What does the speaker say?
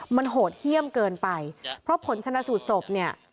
มันโหดเยี่ยมเกินไปเพราะผลชนะสูตรศพเนี่ย